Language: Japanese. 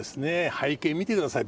背景見てください。